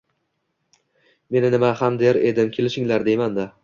Men nima ham der edim, kelishinglar deyman-da.